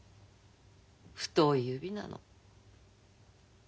太い指なの。